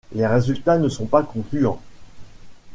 Les résultats ne sont pas concluants.